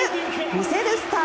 魅せるスター！